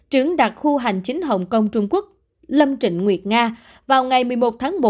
trưởng đặc khu hành chính hồng kông trung quốc lâm trịnh nguyệt nga vào ngày một mươi một tháng một